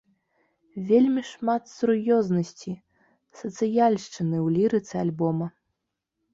Вельмі шмат сур'ёзнасці, сацыяльшчыны ў лірыцы альбома.